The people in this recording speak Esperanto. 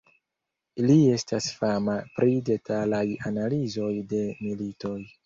Li estas fama pri detalaj analizoj de militoj.